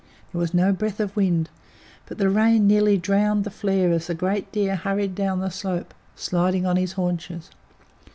There was no breath of wind, but the rain nearly drowned the flare as the great deer hurried down the slope, sliding on his haunches.